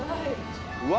うわ。